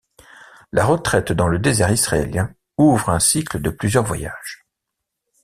La retraite dans le désert israélien ouvre un cycle de plusieurs voyages.